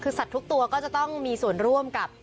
คือสัตว์ทุกตัวก็จะต้องมีส่วนร่วมกับ